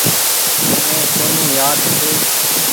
مني ڪونيٚ يآد ڇي۔